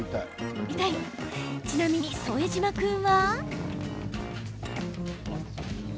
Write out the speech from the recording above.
ちなみに副島君は。